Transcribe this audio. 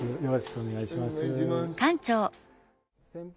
よろしくお願いします。